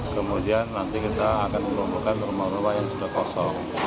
kemudian nanti kita akan mengumpulkan rumah rumah yang sudah kosong